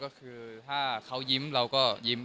ก็คือถ้าเขายิ้มเราก็ยิ้ม